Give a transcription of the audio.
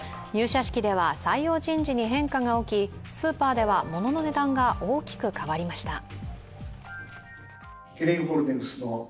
入社式では採用人事に変化が起き、スーパーでは物の値段が大きく変わりました。